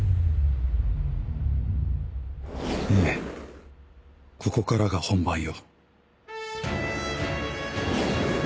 ええここからが本番よ。